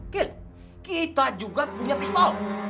kita juga punya pistol